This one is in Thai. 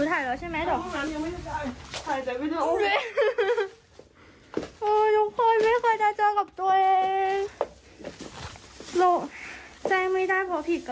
แต่งไม่ได้เพราะผิดกระป๋า